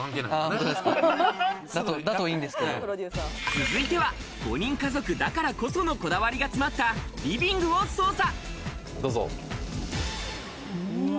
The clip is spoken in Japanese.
続いては、５人家族だからこそのこだわりが詰まったリビングを捜査。